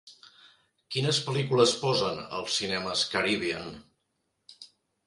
Quines pel·lícules posen als Cinemes Caribbean